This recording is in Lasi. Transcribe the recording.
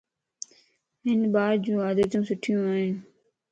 ھن ٻارَ جو عادتيون سٺيون ائين